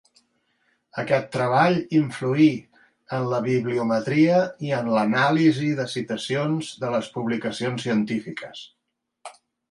Aquest treball influí en la bibliometria i en l'anàlisi de citacions de les publicacions científiques.